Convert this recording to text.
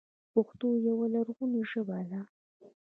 پښتو یوه لرغونې ژبه ده.